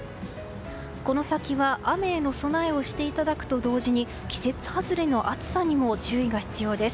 この先は雨への備えをしていただくと同時に季節外れの暑さにも注意が必要です。